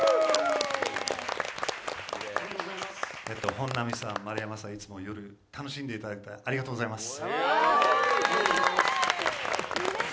本並さん、丸山さん、いつも楽しんでいただいてありがとうございます。